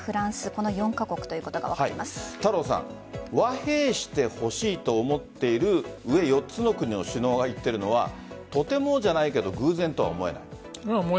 この４カ国ということが和平してほしいと思っている上４つの国の首脳が言っているのはとてもじゃないけど偶然とは思えない。